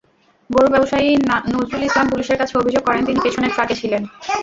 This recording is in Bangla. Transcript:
গরু ব্যবসায়ী নজরুল ইসলাম পুলিশের কাছে অভিযোগ করেন, তিনি পেছনের ট্রাকে ছিলেন।